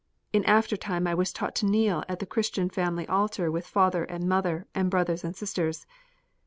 In after time I was taught to kneel at the Christian family altar with father and mother and brothers and sisters.